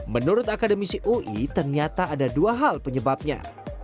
menurut akademisi ui ternyata ada dua hal penyebabnya